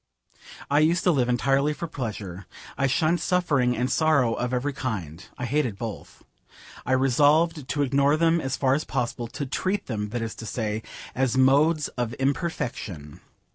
I used to live entirely for pleasure. I shunned suffering and sorrow of every kind. I hated both. I resolved to ignore them as far as possible: to treat them, that is to say, as modes of imperfection.